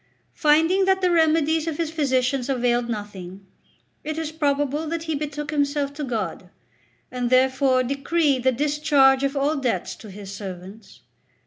Finding that the remedies of his physicians availed nothing, it is probable that he betook himself to God, and therefore decreed the discharge of all debts to his servants.